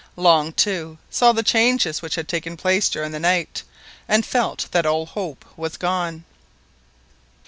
Long, too, saw the changes which had taken place during the night, and felt that all hope was gone.